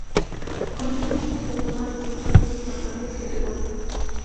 Con este equipo jugó más de cien partidos, marcando siete goles.